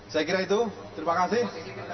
saya kira itu terima kasih